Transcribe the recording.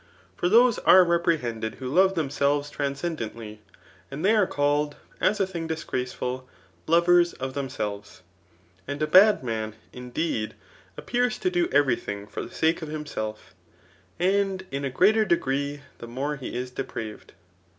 For those are reprehended who love themselves transcendently j and they are called, as a thing disgraceful, lovers c^ themselves. And a bad man, mdeed, appears to do every thing for the sake of himself, and in a greater de gree the more he is depraved.